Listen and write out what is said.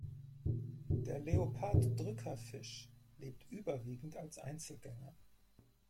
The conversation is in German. Der Leopard-Drückerfisch lebt überwiegend als Einzelgänger.